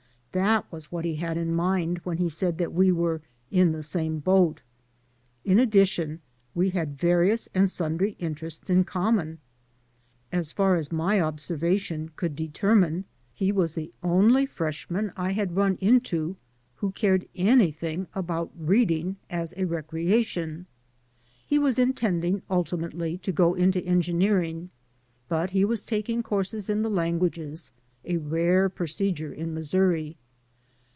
That was what he had in mind when he said that we were in the same boat. In addition, we had various and sundry interests in common. As far as my observa tion could determine, he was the only freshman I had 242 HARVEY run into who cared anything about reading as a recrea tion. He was intending ultimately to go into engineer ingy but he was taking courses in the languages — ^a rare procedure in Missouri.